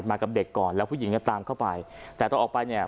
กับเด็กก่อนแล้วผู้หญิงก็ตามเข้าไปแต่ตอนออกไปเนี่ย